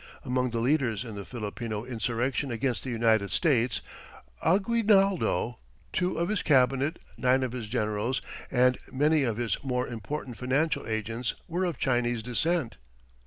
Among the leaders in the Filipino insurrection against the United States, Aguinaldo, two of his cabinet, nine of his generals, and many of his more important financial agents were of Chinese descent.